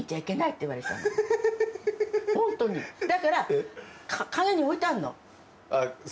だから陰に置いてあるの。